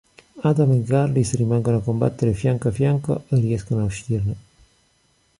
Adam e Garlis rimangono a combattere fianco a fianco e riescono a uscirne.